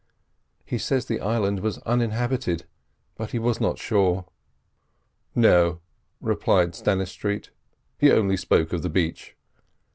He says the island was uninhabited, but he was not sure." "No," replied Stannistreet, "he only spoke of the beach."